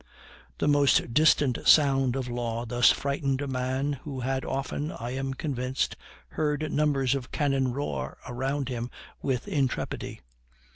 The most distant sound of law thus frightened a man who had often, I am convinced, heard numbers of cannon roar round him with intrepidity.